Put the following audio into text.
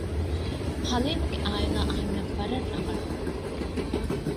ޙަލީމުގެ ޢާއިލާ އަހަންނަށް ވަރަށް ރަނގަޅު